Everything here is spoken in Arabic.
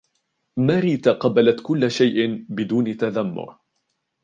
ماري تقبلت كل شيء بدون تذمر.